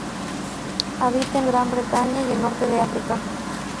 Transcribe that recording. Habita en Europa, Gran Bretaña y el norte de África.